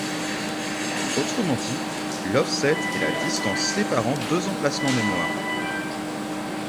Autrement dit, l'offset est la distance séparant deux emplacements mémoire.